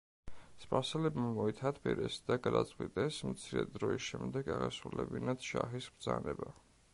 სპარსელებმა მოითათბირეს და გადაწყვიტეს, მცირე დროის შემდეგ აღესრულებინათ შაჰის ბრძანება.